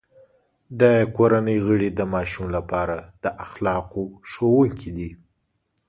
د کورنۍ غړي د ماشوم لپاره د اخلاقو ښوونکي دي.